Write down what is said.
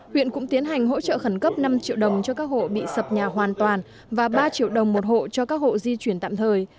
huyện cũng tiến hành hỗ trợ khẩn cấp năm triệu đồng cho các hộ bị sập nhà hoàn toàn và ba triệu đồng một hộ cho các hộ di chuyển tạm thời